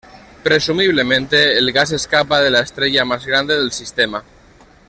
Presumiblemente el gas escapa de la estrella más grande del sistema.